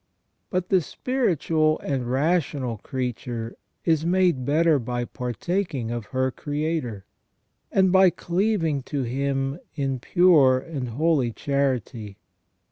But the spiritual and rational creature is made better by partaking of her Creator, and by cleaving to Him in pure and holy charity.